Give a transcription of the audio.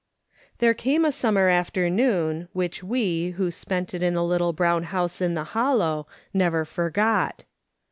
There came a summer afternoon which we, who spent it in the little brown house in the Hollow, never forgot.